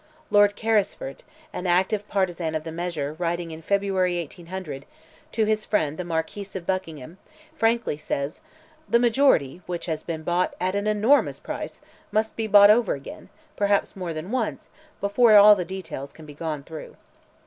Lord Carysfort, an active partisan of the measure, writing in February, 1800, to his friend the Marquis of Buckingham, frankly says: "The majority, which has been bought at an enormous price, must be bought over again, perhaps more than once, before all the details can be gone through."